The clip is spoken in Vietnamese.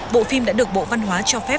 bộ phim đã được bộ văn hóa cho phép